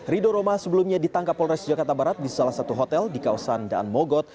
rido roma sebelumnya ditangkap polres jakarta barat di salah satu hotel di kawasan daan mogot